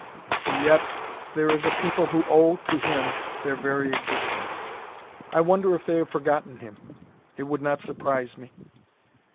And yet there is a people who owe to him their very existence. I wonder if they have forgotten him? It would not surprise me.